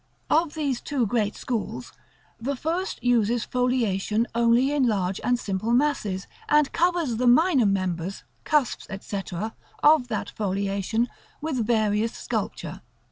§ CI. Of these two great schools, the first uses foliation only in large and simple masses, and covers the minor members, cusps, &c., of that foliation, with various sculpture.